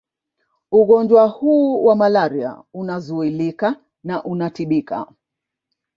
Ugonjwa hu wa malaria unazuilika na unatibika